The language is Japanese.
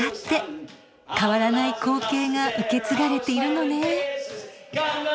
変わらない光景が受け継がれているのね。